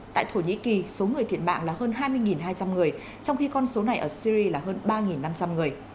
tại thổ nhĩ kỳ số người thiệt mạng là hơn hai mươi hai trăm linh người trong khi con số này ở syri là hơn ba năm trăm linh người